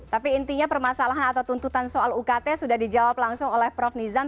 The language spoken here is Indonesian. tapi intinya permasalahan atau tuntutan soal ukt sudah dijawab langsung oleh prof nizam